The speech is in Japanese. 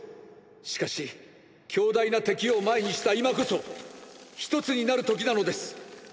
しかし強大な敵を前にした今こそ一つになる時なのです！！